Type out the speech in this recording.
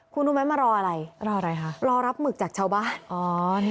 คุณรู้ไหมมารออะไรรออะไรคะรอรับหมึกจากชาวบ้านอ๋อนี่